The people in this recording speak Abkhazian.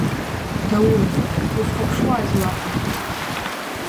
Даур, узхәаԥшуаз уаҟа?